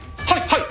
はい！